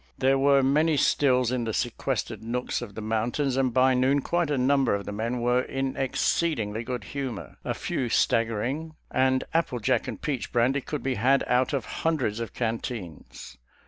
There were many stills in the sequestered nooks of the mountains, and by noon quite a number of the men were in an exceedingly good humor — ^a BATTLE OF SEVEN PINES 47 few staggering — and apple jack and peach brandy could be had out of hundreds of canteens.